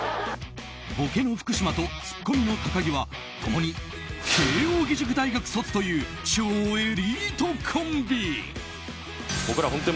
ボケの福島とツッコミの高木は共に慶應義塾大学卒という超エリートコンビ。